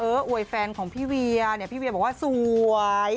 เอออวยแฟนของพี่เวียพี่เวียบอกว่าสวย